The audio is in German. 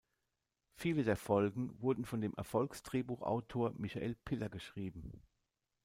Viele der Folgen wurden von dem Erfolgs-Drehbuchautor Michael Piller geschrieben.